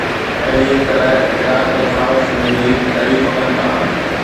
اهڙيءَ طرح Iraq ۽ Fars منهنجي تعريف ڪن ٿا